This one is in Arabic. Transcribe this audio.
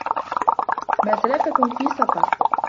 ما سَلَكَكُم في سَقَرَ